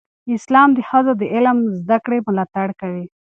اسلام د ښځو د علم زده کړې ملاتړ کوي.